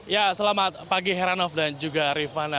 ya selamat pagi heranov dan juga rifana